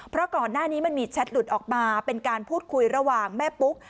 เพราะก่อนหน้านี้มันมีแชทหลุดออกมาเป็นการพูดคุยระหว่างแม่ปุ๊ก